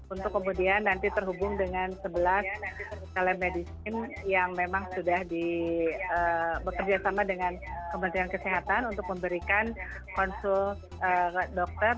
untuk kemudian nanti terhubung dengan sebelas telemedicine yang memang sudah bekerja sama dengan kementerian kesehatan untuk memberikan konsul dokter